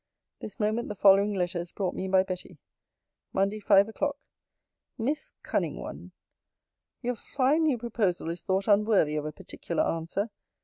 This moment the following letter is brought me by Betty. MONDAY, 5 O'CLOCK MISS CUNNING ONE, Your fine new proposal is thought unworthy of a particular answer.